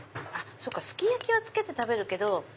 すき焼きはつけて食べるけど。